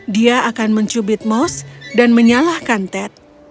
dia akan mencubit mos dan menyalahkan ted